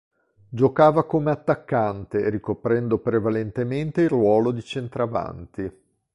Giocava come attaccante, ricoprendo prevalentemente il ruolo di centravanti.